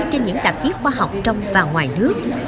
trên những tạp chí khoa học trong và ngoài nước